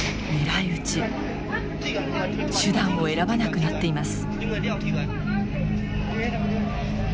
手段を選ばなくなっています。